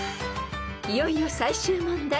［いよいよ最終問題］